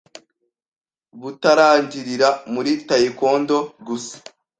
butarangirira muri Taekwondo gusa